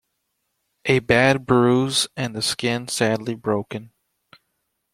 A bad bruise, and the skin sadly broken.